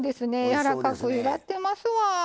やわらかくなってますわ。